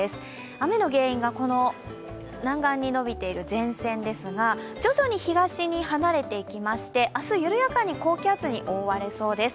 雨の原因が南岸に伸びている前線ですが、徐々に東に離れていきまして、明日、緩やかに高気圧に覆われそうです。